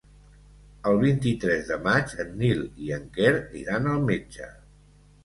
El vint-i-tres de maig en Nil i en Quer iran al metge.